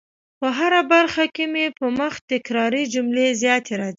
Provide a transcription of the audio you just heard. په هره برخه کي مي په مخ تکراري جملې زیاتې راځي